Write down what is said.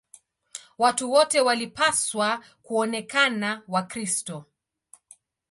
Watu wote walipaswa kuonekana Wakristo.